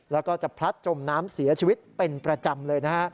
แล้วก็จะพลัดจมน้ำเสียชีวิตเป็นประจำเลยนะฮะ